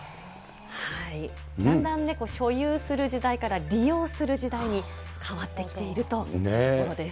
だんだん、所有する時代から利用する時代に変わってきているということです。